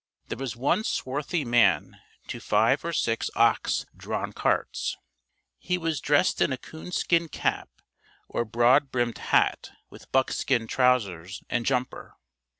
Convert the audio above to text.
There was one swarthy man to five or six ox drawn carts. He was dressed in a coonskin cap or broad brimmed hat with buckskin trousers and jumper.